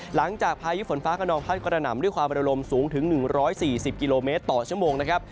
หลังจากพายุฝนฟ้ากระนองพัดกระหน่ำด้วยความระลมสูงถึง๑๔๐กิโลเมตรต่อชั่วโมงนะครับ